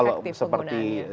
ada harus ada